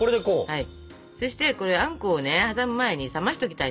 はい。